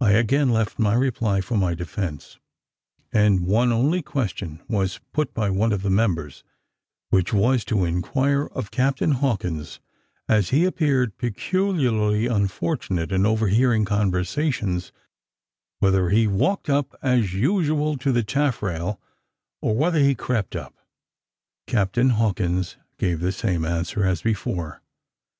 I again left my reply for my defence; and one only question was put by one of the members; which was, to inquire of Captain Hawkins, as he appeared peculiarly unfortunate in overhearing conversations, whether he walked up as usual to the taffrail, or whether he crept up. Captain Hawkins gave the same answer as before.